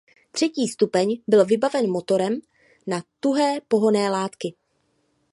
Třetí stupeň byl vybaven motorem na tuhé pohonné látky.